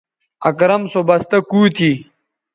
اکرم سو بستہ کُو تھی